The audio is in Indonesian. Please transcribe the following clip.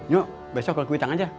yuk besok aku ikutan aja